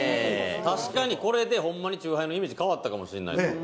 確かにこれでホンマにチューハイのイメージ変わったかもしれないですよ